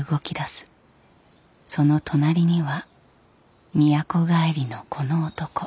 その隣には都帰りのこの男。